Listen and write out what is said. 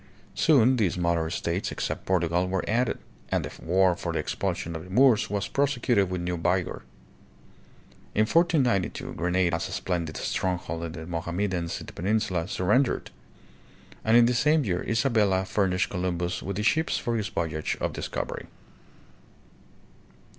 Soon the smaller states except Portugal were added, and the war for the expulsion of the Moors was prosecuted with new vigor. In 1492, Grenada, the last splendid stronghold of the Mohammedans in the peninsula, surrendered, and in the same year Isabella fur nished Columbus with the ships for his voyage of . dis covery.